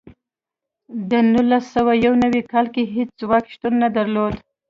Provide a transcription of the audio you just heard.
د نولس سوه یو نوي کال کې هېڅ ځواک شتون نه درلود.